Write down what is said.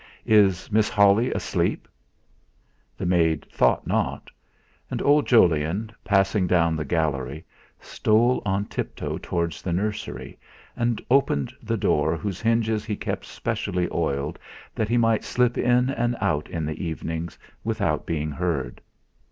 Is Miss Holly asleep?" The maid thought not. And old Jolyon, passing down the gallery, stole on tiptoe towards the nursery, and opened the door whose hinges he kept specially oiled that he might slip in and out in the evenings without being heard.